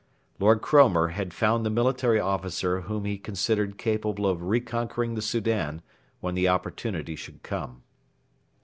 Lord Cromer had found the military officer whom he considered capable of re conquering the Soudan when the opportunity should come.